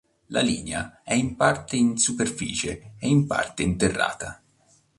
La linea è in parte in superficie e in parte interrata.